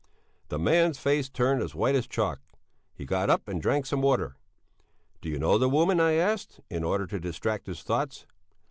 The man's face turned as white as chalk. He got up and drank some water. "Did you know the woman?" I asked, in order to distract his thoughts.